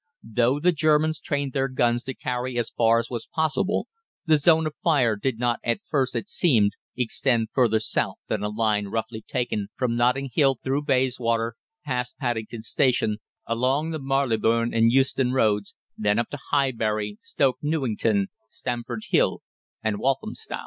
Though the Germans trained their guns to carry as far as was possible, the zone of fire did not at first it seemed extend farther south than a line roughly taken from Notting Hill through Bayswater, past Paddington Station, along the Marylebone and Euston Roads, then up to Highbury, Stoke Newington, Stamford Hill and Walthamstow.